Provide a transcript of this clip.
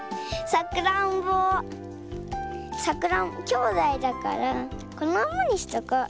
さくらんぼきょうだいだからこのままにしておこう。